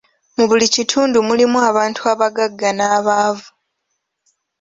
Mu buli kitundu mulimu abantu abagagga n'abaavu.